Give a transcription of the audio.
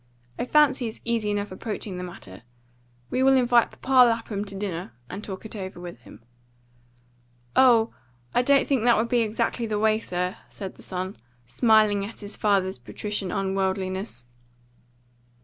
I fancy it's easy enough approaching the matter. We will invite Papa Lapham to dinner, and talk it over with him." "Oh, I don't think that would be exactly the way, sir," said the son, smiling at his father's patrician unworldliness.